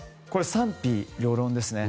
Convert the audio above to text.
賛否両論ですね。